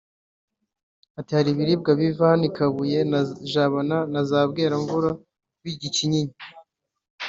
Ati “Hari ibiribwa biva hano i Kabuye na Jabana na za Bweramvura bijya i Kinyinya